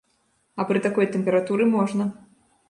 А пры такой тэмпературы можна.